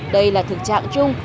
đây là thực trạng chung